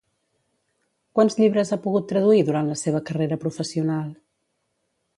Quants llibres ha pogut traduir durant la seva carrera professional?